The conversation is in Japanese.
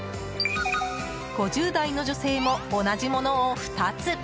５０代の女性も同じものを２つ。